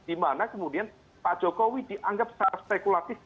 dimana kemudian pak jokowi dianggap secara spekulatif